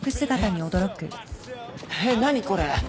えっ何これ？